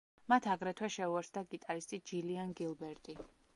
მათ აგრეთვე შეუერთდა გიტარისტი ჯილიან გილბერტი.